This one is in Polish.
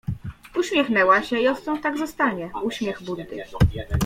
Uśmiechnęła się i odtąd tak zostanie: uśmiech Buddy.